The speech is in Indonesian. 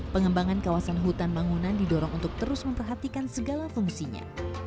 pengembangan kawasan hutan mangunan didorong untuk terus memperhatikan segala fungsinya